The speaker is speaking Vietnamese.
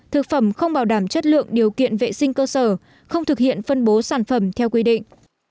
thực phẩm không bảo đảm chất lượng điều kiện vệ sinh cơ sở không thực hiện phân bố sản phẩm theo quy định